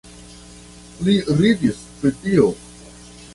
Li ridis pri tio.